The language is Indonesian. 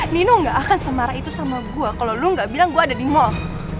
nino nggak akan semarah itu sama gue kalau lu gak bilang gue ada di mall